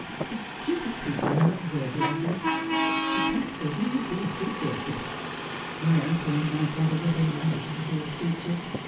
' The stupid people are not worthy of you. At Blackford you would be appreciated. My uncle and my brother were delighted with your speeches.